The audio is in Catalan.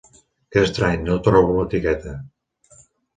Que estrany, no trobo l'etiqueta!